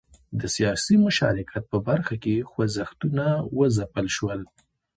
د سیاسي مشارکت په برخه کې خوځښتونه وځپل شول.